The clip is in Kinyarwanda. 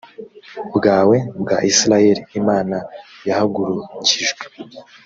bwawe bwa isirayeli imana yahagurukijwe